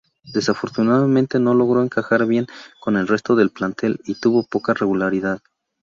Desafortunadamente, no logró encajar bien con el resto del plantel y tuvo poca regularidad.